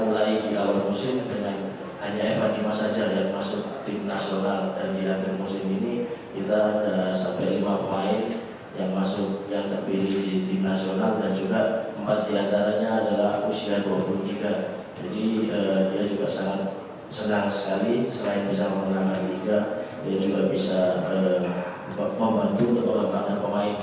dia juga sangat senang sekali selain bisa memenangkan liga dia juga bisa membantu atau membantu pemain